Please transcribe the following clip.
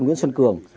nguyễn xuân cường